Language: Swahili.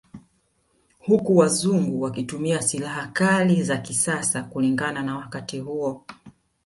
Huku wazungu wakitumia sihala kali za kisasa kulingana na wakati huo